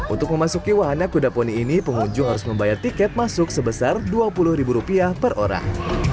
untuk memasuki wahana kuda poni ini pengunjung harus membayar tiket masuk sebesar dua puluh ribu rupiah per orang